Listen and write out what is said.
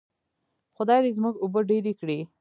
خدای دې زموږ اوبه ډیرې کړي.